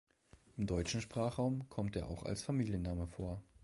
Im deutschen Sprachraum kommt er auch als Familienname vor.